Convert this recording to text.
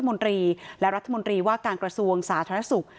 มนตรีและรัฐมนตรีว่าการกระทรวงสาธารณสุข